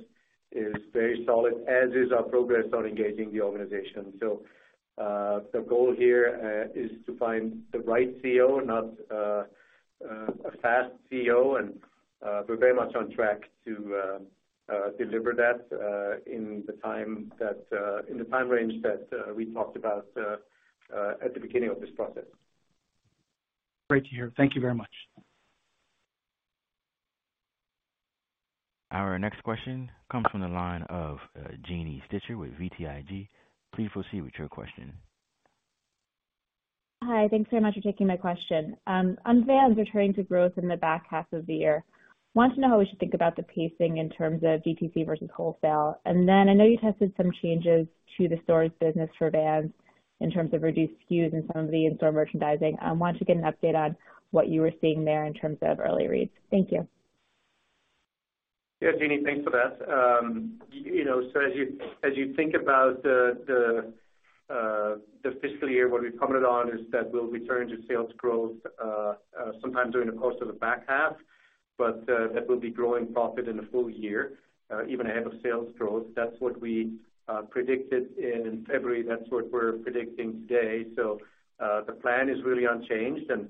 is very solid, as is our progress on engaging the organization. The goal here, is to find the right CEO, not, a fast CEO. We're very much on track to, deliver that, in the time that, in the time range that, we talked about, at the beginning of this process. Great to hear. Thank you very much. Our next question comes from the line of Janine Stichter with BTIG. Please proceed with your question. Hi. Thanks very much for taking my question. On Vans returning to growth in the back half of the year, want to know how we should think about the pacing in terms of DTC versus wholesale. I know you tested some changes to the stores business for Vans in terms of reduced SKUs and some of the in-store merchandising. I want to get an update on what you were seeing there in terms of early reads. Thank you. Yeah, Jeannie, thanks for that. you know, as you think about the fiscal year, what we've commented on is that we'll return to sales growth sometime during the course of the back half, but that will be growing profit in the full year even ahead of sales growth. That's what we predicted in February. That's what we're predicting today. The plan is really unchanged, and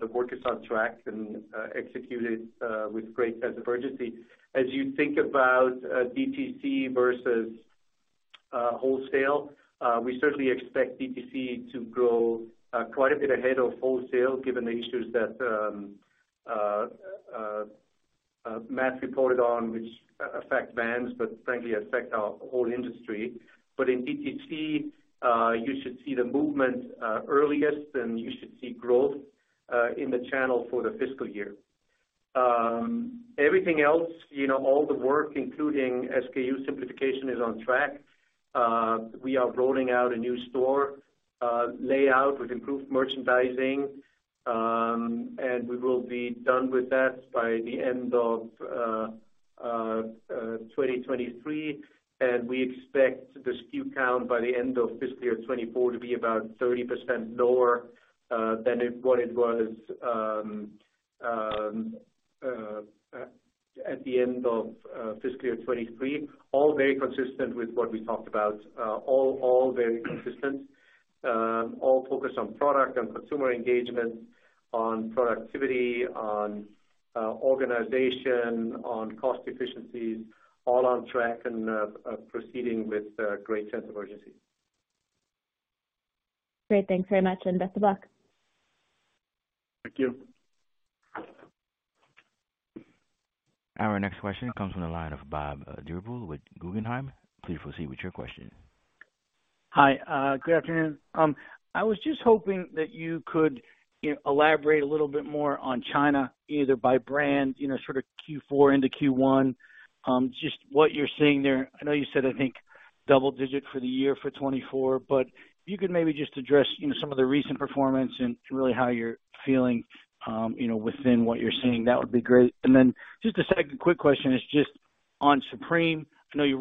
the work is on track and executed with great sense of urgency. As you think about DTC versus wholesale, we certainly expect DTC to grow quite a bit ahead of wholesale, given the issues that Matt reported on, which affect Vans, but frankly, affect our whole industry. In DTC, you should see the movement earliest, and you should see growth in the channel for the fiscal year. Everything else, you know, all the work, including SKU simplification, is on track. We are rolling out a new store layout with improved merchandising, and we will be done with that by the end of 2023. We expect the SKU count by the end of fiscal year 2024 to be about 30% lower than what it was at the end of fiscal year 2023. All very consistent with what we talked about. All very consistent. All focused on product, on consumer engagement, on productivity, on organization, on cost efficiencies, all on track and proceeding with a great sense of urgency. Great. Thanks very much, and best of luck. Thank you. Our next question comes from the line of Bob Drbul with Guggenheim. Please proceed with your question. Hi. Good afternoon. I was just hoping that you could elaborate a little bit more on China, either by brand, you know, sort of Q4 into Q1, just what you're seeing there. I know you said, I think double-digit for the year for 2024, but if you could maybe just address, you know, some of the recent performance and really how you're feeling, you know, within what you're seeing, that would be great. Just a second quick question is just on Supreme. I know you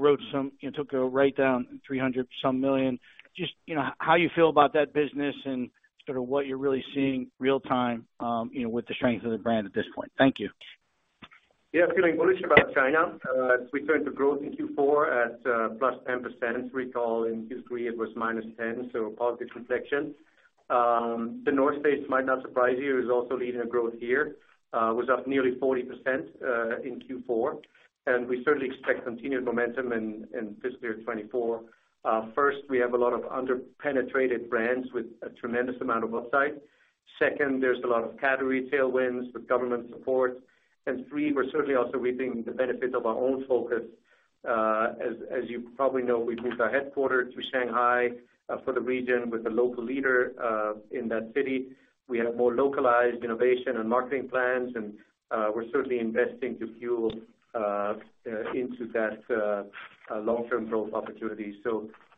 took a write down $300 some million. Just, you know, how you feel about that business and sort of what you're really seeing real time, you know, with the strength of the brand at this point. Thank you. Yeah, feeling bullish about China. We turned to growth in Q4 at +10%. Recall in Q3, it was -10%, so a positive reflection. The North Face might not surprise you, is also leading a growth year. Was up nearly 40% in Q4, and we certainly expect continued momentum in fiscal year 2024. First, we have a lot of under-penetrated brands with a tremendous amount of upside. Second, there's a lot of category tailwinds with government support. Three, we're certainly also reaping the benefits of our own focus. As you probably know, we've moved our headquarters to Shanghai for the region with a local leader in that city. We have more localized innovation and marketing plans, and we're certainly investing to fuel into that long-term growth opportunity.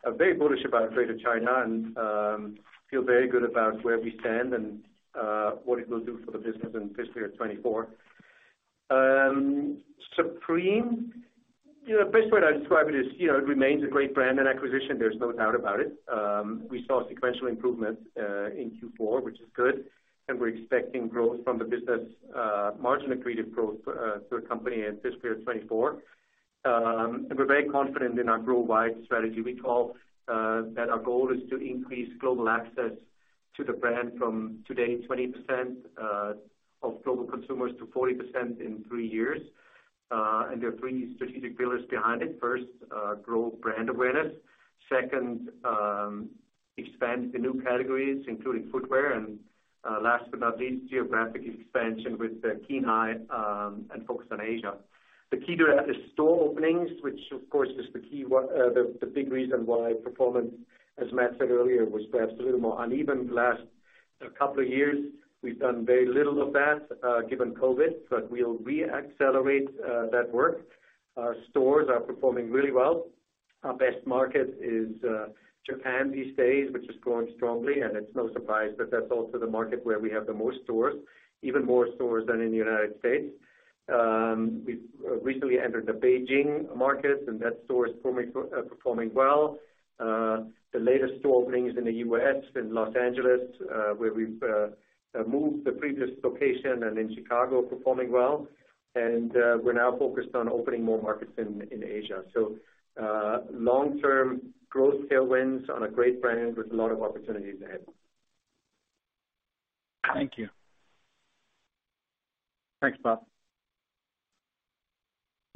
A very bullish about Greater China and feel very good about where we stand and what it will do for the business in fiscal year 24. Supreme, you know, best way to describe it is, you know, it remains a great brand and acquisition, there's no doubt about it. We saw sequential improvement in Q4, which is good, and we're expecting growth from the business, margin accretive growth to the company in fiscal year 24. And we're very confident in our worldwide strategy. Recall that our goal is to increase global access to the brand from today, 20% of global consumers to 40% in three years. And there are three strategic pillars behind it. First, grow brand awareness. Second, expand the new categories, including footwear. Last but not least, geographic expansion with a keen eye and focused on Asia. The key to that is store openings, which of course, is the key, the big reason why performance, as Matt said earlier, was perhaps a little more uneven the last couple of years. We've done very little of that given COVID, but we'll re-accelerate that work. Our stores are performing really well. Our best market is Japan these days, which is growing strongly, and it's no surprise that that's also the market where we have the most stores, even more stores than in the United States. We've recently entered the Beijing market, and that store is performing well. The latest store openings in the U.S., in Los Angeles, where we've moved the previous location and in Chicago are performing well. We're now focused on opening more markets in Asia. Long-term growth tailwinds on a great brand with a lot of opportunities ahead. Thank you. Thanks, Bob.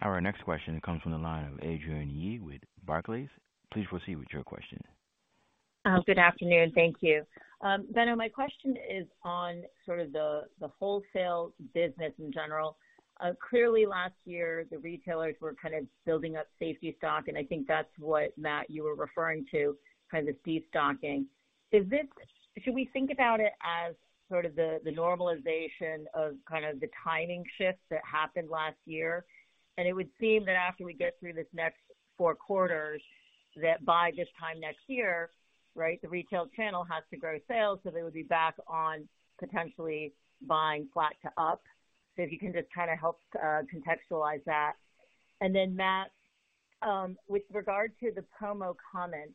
Our next question comes from the line of Adrienne Yih with Barclays. Please proceed with your question. Good afternoon. Thank you. Benno, my question is on sort of the wholesale business in general. Clearly last year, the retailers were kind of building up safety stock, and I think that's what, Matt, you were referring to, kind of the de-stocking. Should we think about it as sort of the normalization of kind of the timing shift that happened last year? It would seem that after we get through this next four quarters, that by this time next year, right, the retail channel has to grow sales, so they would be back on potentially buying flat to up. If you can just kinda help contextualize that. Then Matt, with regard to the promo comments,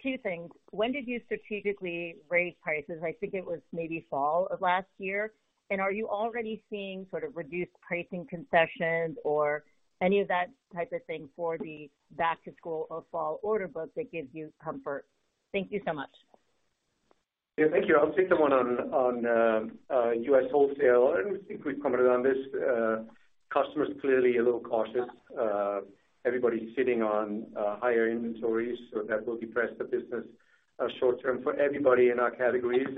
two things. When did you strategically raise prices? I think it was maybe fall of last year. Are you already seeing sort of reduced pricing concessions or any of that type of thing for the back-to-school or fall order book that gives you comfort? Thank you so much. Yeah, thank you. I'll take the one on U.S. wholesale. I think we've commented on this. Customers clearly a little cautious. Everybody's sitting on higher inventories, so that will depress the business short term for everybody in our categories.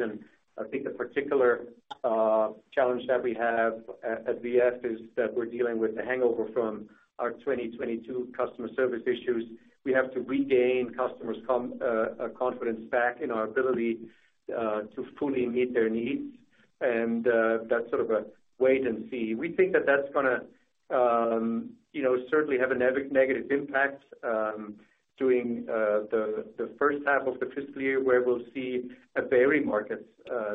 I think the particular challenge that we have at VF is that we're dealing with the hangover from our 2022 customer service issues. We have to regain customers' confidence back in our ability to fully meet their needs. That's sort of a wait and see. We think that that's gonna, you know, certainly have a negative impact during the first half of the fiscal year, where we'll see a very market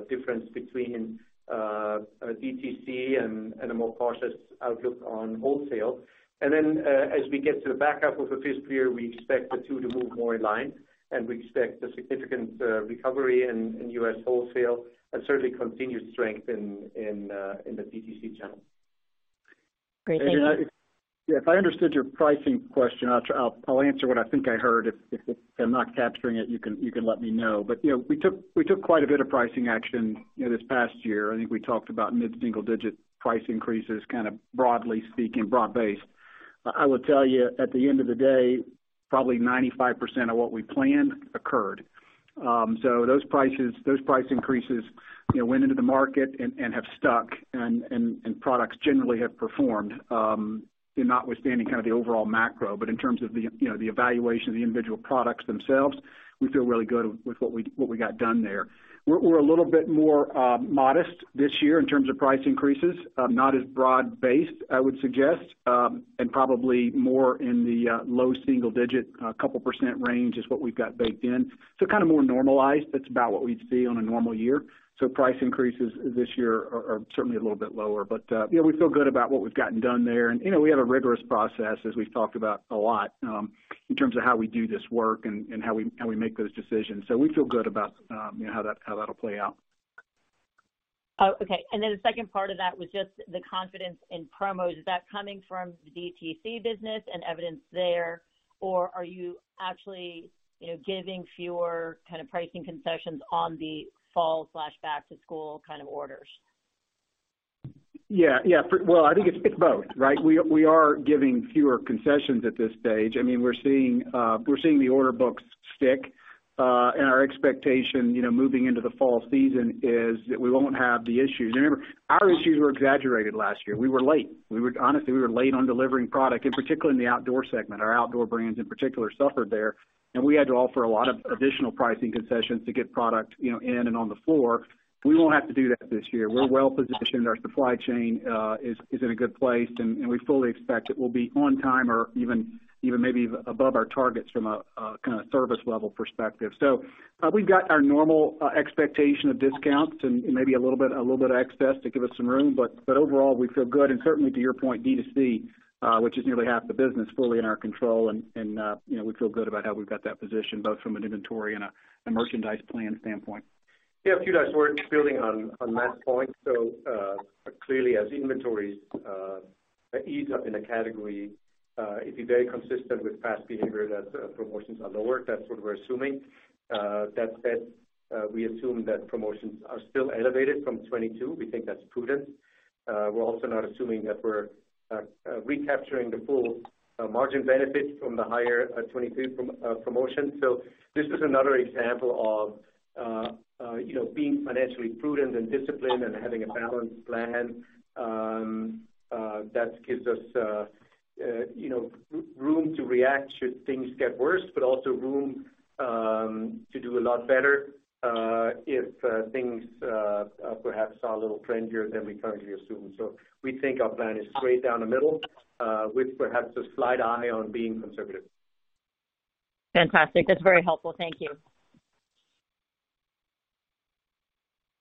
difference between DTC and a more cautious outlook on wholesale. As we get to the back half of the fiscal year, we expect the two to move more in line, and we expect a significant recovery in U.S. wholesale and certainly continued strength in the DTC channel. Great. Thank you. Adrienne. Yeah, if I understood your pricing question, I'll answer what I think I heard. If I'm not capturing it, you can let me know. You know, we took quite a bit of pricing action this past year. I think we talked about mid-single digit price increases, kind of broadly speaking, broad-based. I would tell you, at the end of the day, probably 95% of what we planned occurred. So those prices, those price increases, you know, went into the market and have stuck and products generally have performed, notwithstanding kind of the overall macro. In terms of the, you know, the evaluation of the individual products themselves, we feel really good with what we got done there. We're a little bit more modest this year in terms of price increases. Not as broad-based, I would suggest, and probably more in the low single-digit, a couple percent range is what we've got baked in. Kind of more normalized. That's about what we'd see on a normal year. Price increases this year are certainly a little bit lower. You know, we feel good about what we've gotten done there. You know, we have a rigorous process as we've talked about a lot, in terms of how we do this work and how we make those decisions. We feel good about, you know, how that'll play out. Oh, okay. Then the second part of that was just the confidence in promos. Is that coming from the DTC business and evidence there? Or are you actually, you know, giving fewer kind of pricing concessions on the fall/back to school kind of orders? Well, I think it's both, right? We are giving fewer concessions at this stage. I mean, we're seeing the order books stick. Our expectation, you know, moving into the fall season is that we won't have the issues. Remember, our issues were exaggerated last year. We were late. Honestly, we were late on delivering product, and particularly in the outdoor segment. Our outdoor brands in particular suffered there, and we had to offer a lot of additional pricing concessions to get product, you know, in and on the floor. We won't have to do that this year. We're well positioned. Our supply chain is in a good place and we fully expect it will be on time or even maybe above our targets from a kinda service level perspective. We've got our normal expectation of discounts and maybe a little bit of excess to give us some room, but overall, we feel good. Certainly to your point, DTC, which is nearly half the business fully in our control and, you know, we feel good about how we've got that positioned, both from an inventory and a merchandise plan standpoint. Yeah. If you guys were building on last point. Clearly as inventories ease up in a category, it'd be very consistent with past behavior that promotions are lower. That's what we're assuming. That said, we assume that promotions are still elevated from 2022. We think that's prudent. We're also not assuming that we're recapturing the full margin benefit from the higher 2022 promotion. This is another example of, you know, being financially prudent and disciplined and having a balanced plan that gives us, you know, room to react should things get worse, but also room to do a lot better if things perhaps are a little trendier than we currently assume. We think our plan is straight down the middle, with perhaps a slight eye on being conservative. Fantastic. That's very helpful. Thank you.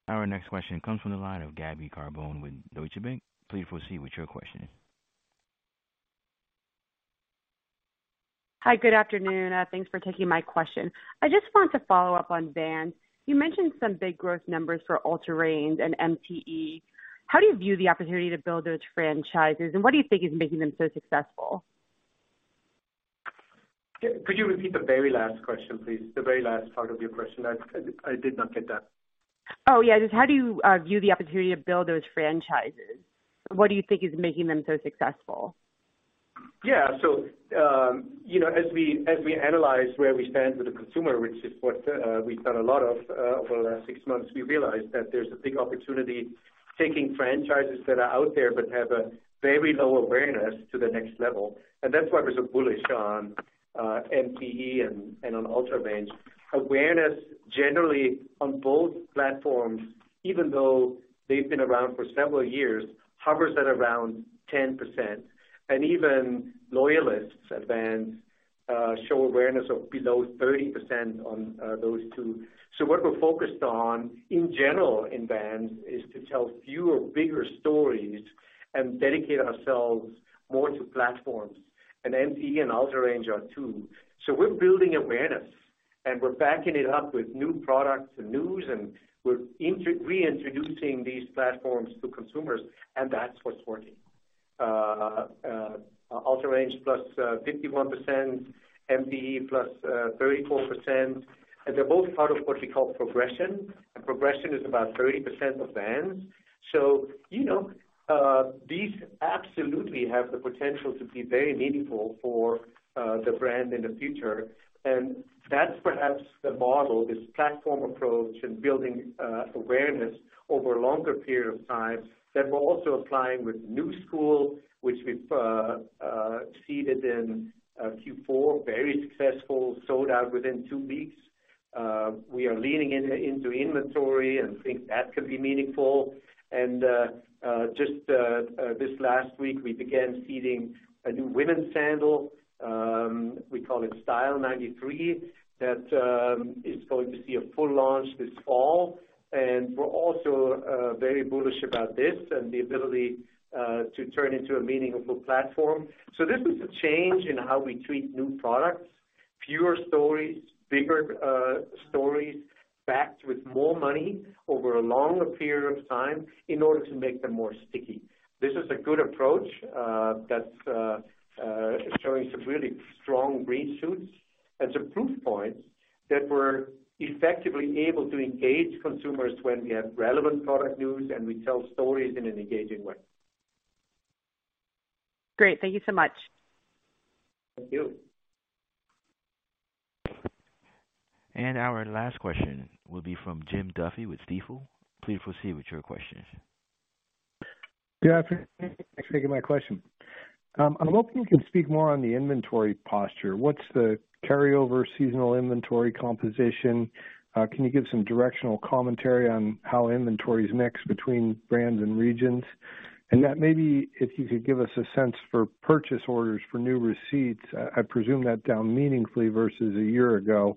Our next question comes from the line of Gabriella Carbone with Deutsche Bank. Please proceed with your question. Hi, good afternoon. Thanks for taking my question. I just want to follow up on Vans. You mentioned some big growth numbers for UltraRange and MTE. How do you view the opportunity to build those franchises, and what do you think is making them so successful? Could you repeat the very last question, please? The very last part of your question. I did not get that. Oh, yeah. Just how do you view the opportunity to build those franchises? What do you think is making them so successful? Yeah. You know, as we, as we analyze where we stand with the consumer, which is what we've done a lot of over the last six months, we realized that there's a big opportunity taking franchises that are out there but have a very low awareness to the next level. That's why we're so bullish on MTE and on UltraRange. Awareness generally on both platforms, even though they've been around for several years, hovers at around 10%. Even loyalists at Vans show awareness of below 30% on those two. What we're focused on in general in Vans is to tell fewer, bigger stories and dedicate ourselves more to platforms. MTE and UltraRange are two. We're building awareness, and we're backing it up with new products and news, and we're reintroducing these platforms to consumers, and that's what's working. UltraRange plus, 51%, MTE plus, 34%, and they're both part of what we call Progression. Progression is about 30% of Vans. You know, these absolutely have the potential to be very meaningful for the brand in the future. That's perhaps the model, this platform approach and building awareness over a longer period of time that we're also applying with Knu Skool, which we've seeded in Q4. Very successful. Sold out within two weeks. We are leaning into inventory and think that could be meaningful. Just this last week, we began seeding a new women's sandal, we call it Style 93, that is going to see a full launch this fall. We're also very bullish about this and the ability to turn into a meaningful platform. This is a change in how we treat new products. Fewer stories, bigger stories backed with more money over a longer period of time in order to make them more sticky. This is a good approach that's showing some really strong green shoots and some proof points that we're effectively able to engage consumers when we have relevant product news and we tell stories in an engaging way. Great. Thank you so much. Thank you. Our last question will be from Jim Duffy with Stifel. Please proceed with your questions. Good afternoon. Thanks for taking my question. I'm hoping you can speak more on the inventory posture. What's the carryover seasonal inventory composition? Can you give some directional commentary on how inventory is mixed between brands and regions? Maybe if you could give us a sense for purchase orders for new receipts. I presume that down meaningfully versus a year ago.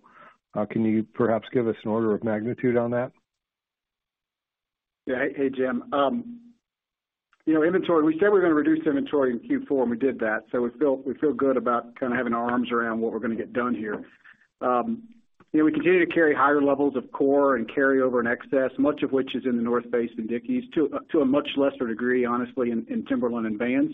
Can you perhaps give us an order of magnitude on that? Yeah. Hey, Jim. You know, inventory, we said we're gonna reduce inventory in Q4, and we did that. We feel good about kinda having our arms around what we're gonna get done here. You know, we continue to carry higher levels of core and carry over in excess, much of which is in The North Face and Dickies to a much lesser degree, honestly, in Timberland and Vans.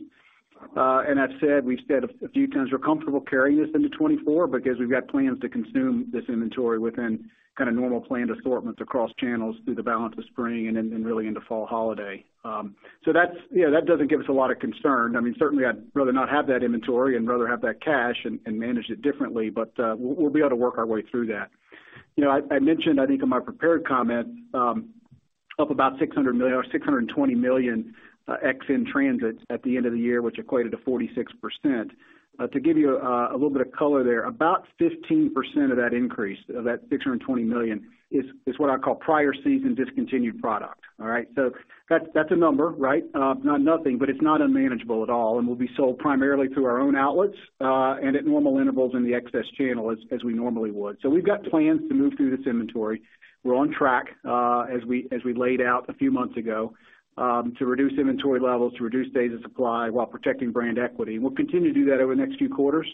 That said, we've said a few times we're comfortable carrying this into 2024 because we've got plans to consume this inventory within kinda normal planned assortments across channels through the balance of spring and then really into fall holiday. You know, that doesn't give us a lot of concern. I mean, certainly I'd rather not have that inventory and rather have that cash and manage it differently, we'll be able to work our way through that. You know, I mentioned, I think in my prepared comments, up about $600 million or $620 million ex in transits at the end of the year, which equated to 46%. To give you a little bit of color there, about 15% of that increase, of that $620 million is what I call prior season discontinued product. All right? That's a number, right? Not nothing, it's not unmanageable at all and will be sold primarily through our own outlets and at normal intervals in the excess channel as we normally would. We've got plans to move through this inventory. We're on track, as we laid out a few months ago, to reduce inventory levels, to reduce days of supply while protecting brand equity, and we'll continue to do that over the next few quarters.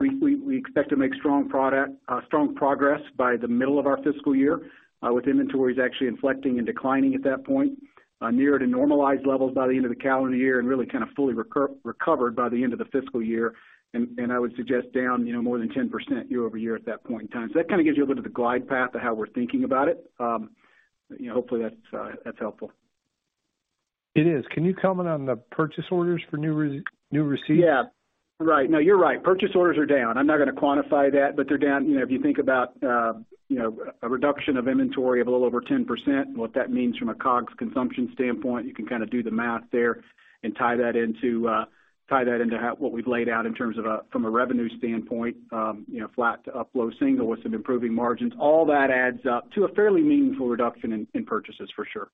We expect to make strong progress by the middle of our fiscal year, with inventories actually inflecting and declining at that point, near to normalized levels by the end of the calendar year and really kinda fully recovered by the end of the fiscal year. I would suggest down, you know, more than 10% year-over-year at that point in time. That kinda gives you a little bit of glide path of how we're thinking about it. You know, hopefully that's helpful. It is. Can you comment on the purchase orders for new receipts? Yeah. Right. No, you're right. Purchase orders are down. I'm not gonna quantify that, but they're down. You know, if you think about, you know, a reduction of inventory of a little over 10% and what that means from a COGS consumption standpoint, you can kinda do the math there and tie that into, tie that into what we've laid out in terms of, from a revenue standpoint, you know, flat to up low single with some improving margins. All that adds up to a fairly meaningful reduction in purchases for sure.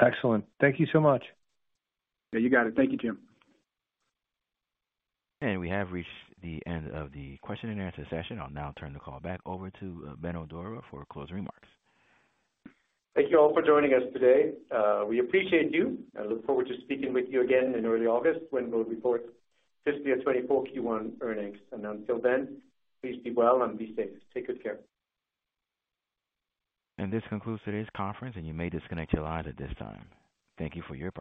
Excellent. Thank you so much. Yeah, you got it. Thank you, Jim. We have reached the end of the question and answer session. I'll now turn the call back over to Benno Dorer for closing remarks. Thank you all for joining us today. We appreciate you. I look forward to speaking with you again in early August when we'll report fiscal year 2024 Q1 earnings. Until then, please be well and be safe. Take good care. This concludes today's conference, and you may disconnect your lines at this time. Thank you for your participation.